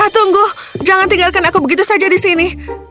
tunggu jangan tinggalkan aku begitu saja di sini